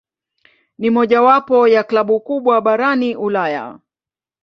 Ni mojawapo ya klabu kubwa barani Ulaya.